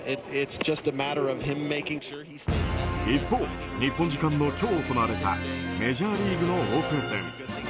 一方、日本時間の今日行われたメジャーリーグのオープン戦。